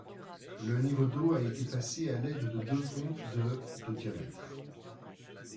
Le niveau d'eau a été passé à l'aide de deux pompes de de diamètre.